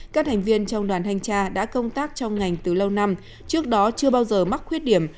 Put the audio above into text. các thành viên trong đoàn thanh tra đã công tác trong ngành từ lâu năm trước đó chưa bao giờ mắc khuyết điểm